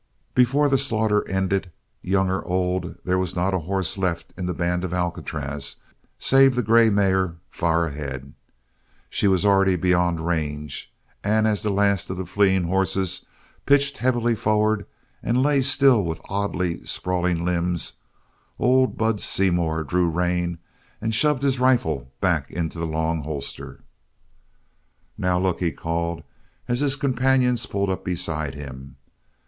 Before the slaughter ended, young or old there was not a horse left in the band of Alcatraz save the grey mare far ahead. She was already beyond range, and as the last of the fleeing horses pitched heavily forward and lay still with oddly sprawling limbs, old Bud Seymour drew rein and shoved his rifle back into the long holster. "Now, look!" he called, as his companions pulled up beside him.